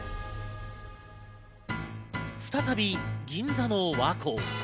再び銀座の和光。